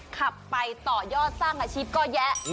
ขับไปต่อยอดสร้างอาชีพก็แยะ